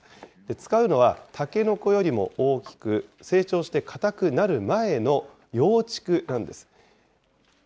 使うのはタケノコよりも大きく、成長して硬くなる前の幼竹なんです。